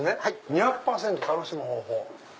「２００％楽しむ方法」。